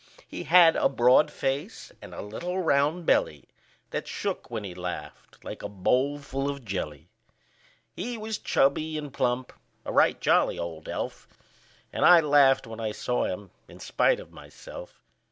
He had a broad face, and a little round belly That shook when he laughed, like a bowl full of jelly. He was chubby and plump a right jolly old elf; And I laughed when I saw him in spite of myself.